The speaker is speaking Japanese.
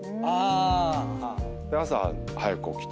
朝早く起きて。